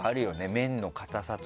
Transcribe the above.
麺の硬さとか。